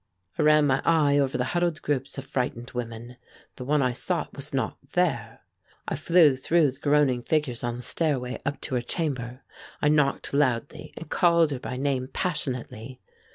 I ran my eye over the huddled groups of frightened women. The one I sought was not there. I flew through the groaning figures on the stairway up to her chamber. I knocked loudly, and called her by name passionately.